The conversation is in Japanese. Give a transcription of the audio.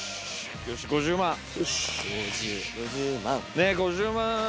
ねぇ５０万